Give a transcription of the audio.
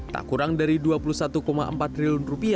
tak kurang dari rp dua puluh satu empat triliun